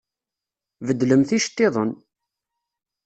Beddlemt iceṭṭiḍen!